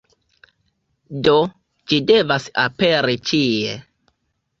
Do, ĝi devas aperi ĉie